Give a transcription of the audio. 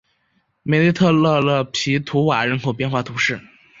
梅内特勒勒皮图瓦人口变化图示